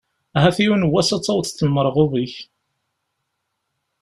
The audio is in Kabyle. Ahat yiwen n wass ad tawḍeḍ lmerɣub-ik.